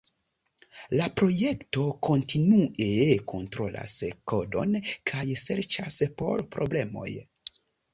La projekto kontinue kontrolas kodon kaj serĉas por problemoj.